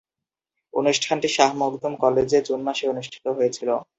অনুষ্ঠানটি শাহ মখদুম কলেজে জুন মাসে অনুষ্ঠিত হয়েছিলো।